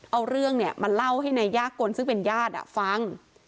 เอาเรื่องมาเล่าให้นายยากกลซึ่งเป็นญาติฟัง